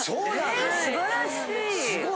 すばらしい！